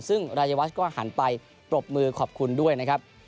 ซึ่งรายวัชก็หันไปปรบมือขอบคุณด้วยนะครับ